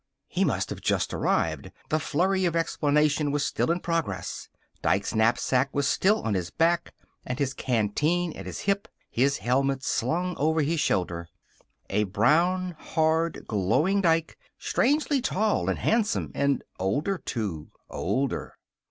He must have just arrived. The flurry of explanation was still in progress. Dike's knapsack was still on his back, and his canteen at his hip, his helmet slung over his shoulder. A brown, hard, glowing Dike, strangely tall and handsome and older, too. Older.